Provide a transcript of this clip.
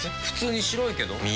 普通に白いけど。